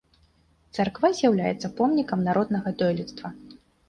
Царква з'яўляецца помнікам народнага дойлідства.